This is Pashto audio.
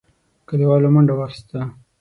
کليوالو منډه واخيسته.